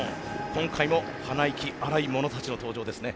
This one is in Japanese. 今回も鼻息荒い者たちの登場ですね。